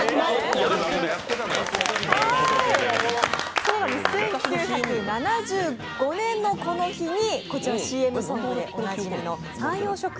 今日の１９７５年のこの日にこちらのＣＭソングでおなじみのサンヨー食品